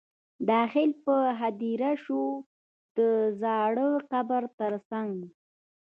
داخل په هدیره شو د زاړه قبر تر څنګ.